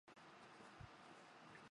现在已部分时间对游人免费。